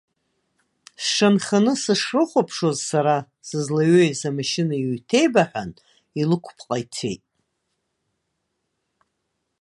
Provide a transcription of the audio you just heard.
Сшанханы сышрыхәаԥшуаз сара сызлаҩеиз амашьына иҩҭеибаҳәан, илықәпҟа ицеит.